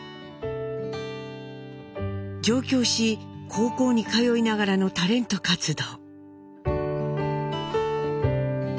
上京し高校に通いながらのタレント活動。